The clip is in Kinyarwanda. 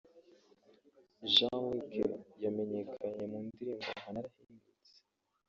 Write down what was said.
Jean Luc yamenyekanye mu ndirimbo nka ‘Narahindutse’